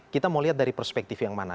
kita mau lihat dari perspektif yang mana